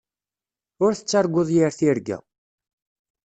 Ur tettarguḍ yir tirga.